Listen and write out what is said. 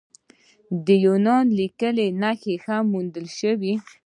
د یوناني لیک نښې هم موندل شوي